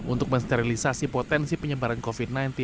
untuk mensterilisasi potensi penyebaran covid sembilan belas